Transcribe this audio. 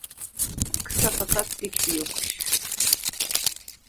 Kısa fakat dik bir yokuş…